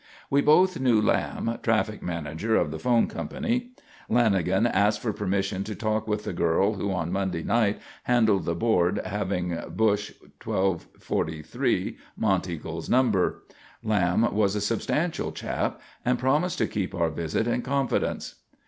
We both knew Lamb, traffic manager of the 'phone company. Lanagan asked for permission to talk with the girl who on Monday night handled the board having Bush 1243 Monteagle's number. Lamb was a substantial chap, and promised to keep our visit in confidence.